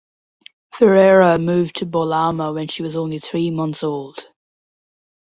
Ferreira moved to Bolama when she was only three months old.